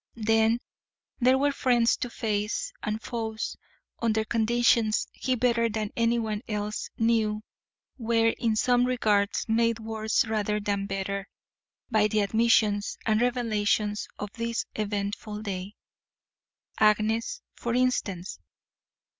Then there were friends to face, and foes, under conditions he better than anyone else, knew were in some regards made worse rather than better by the admissions and revelations of this eventful day Agnes, for instance.